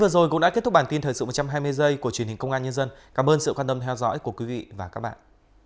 đối tượng trước pháp luật